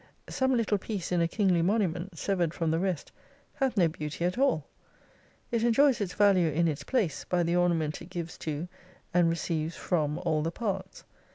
Some little piece in a kingly monument, severed from the rest, hath no beauty at all. It enjoys its value in its place, by the ornament it gives to, and receives from all the parts.